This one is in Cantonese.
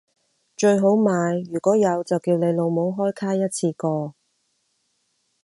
最好買如果有就叫你老母開卡一次過